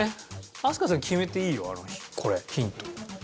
飛鳥さん決めていいよこれヒント。